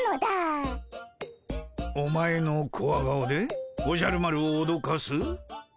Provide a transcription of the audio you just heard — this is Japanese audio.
お前のコワ顔でおじゃる丸をおどかす？